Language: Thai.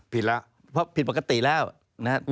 เพราะผิดปกติแล้วนะครับ